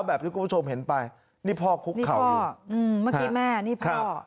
แบบที่คุณผู้ชมเห็นไปนี่พ่อคุกเข่าอยู่อืมเมื่อกี้แม่นี่พ่อ